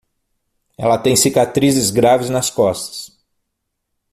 Ela tem cicatrizes graves nas costas